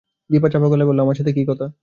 দিপা চাপা গলায় বলল, আমার সাথে কী কথা?